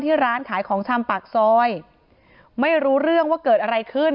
ร้านขายของชำปากซอยไม่รู้เรื่องว่าเกิดอะไรขึ้น